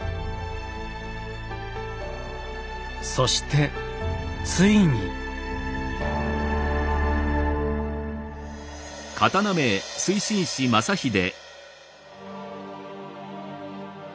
そしてついに。